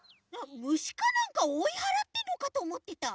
むしかなんかおいはらってんのかとおもってた。